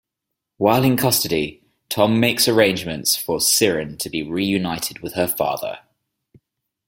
While in custody, Tom makes arrangements for Siryn to be reunited with her father.